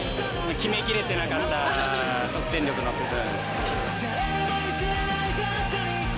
決めきれてなかった得点力の部分。